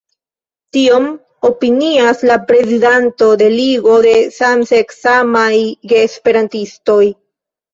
Tion opinias la prezidanto de Ligo de Samseksamaj Geesperantistoj.